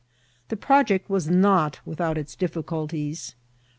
This project was not without its difficulties.